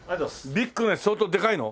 ビッグなやつ相当でかいの？